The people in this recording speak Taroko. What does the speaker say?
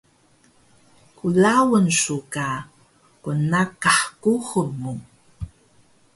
klaun su ka qnnaqah kuxul mu